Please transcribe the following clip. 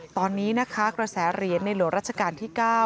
ตอนนี้นะคะกระแสเหรียญในหลวงราชการที่๙